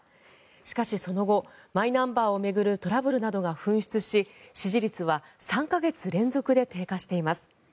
しかし、その後マイナンバーを巡るトラブルなどが噴出し支持率は３か月連続で低下しています。